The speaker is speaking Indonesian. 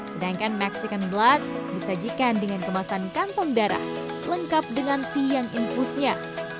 sedangkan maxicon blood disajikan dengan kemasan kantong darah lengkap dengan tiang infusnya